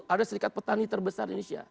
ada serikat petani terbesar di indonesia